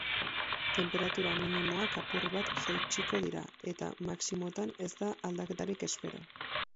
Tenperatura minimoak apur bat jaitsiko dira, eta maximoetan ez da aldaketarik espero.